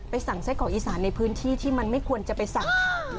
ไปสั่งไส้เก๋าะอีสานในพื้นที่ที่มันไม่ควรจะไปสั่ง